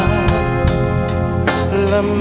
ยังเพราะความสำคัญ